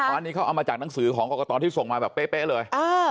อันนี้เขาเอามาจากหนังสือของกรกตที่ส่งมาแบบเป๊ะเลย